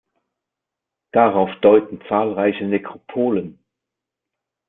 Darauf deuten zahlreiche Nekropolen.